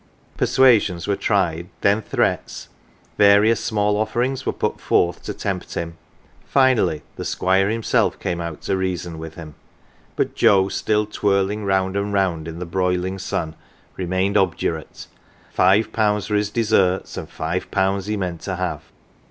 Persuasions were tried, then threats ; various small offerings were put forth to tempt him ; finally the squire himself came out to reason with 53 CELEBRITIES him, but Joe, still twirling round and round in the broiling sun, remained obdurate ; five pounds were his deserts, and five pounds he meant to have.